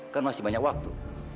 kan masih banyak waktu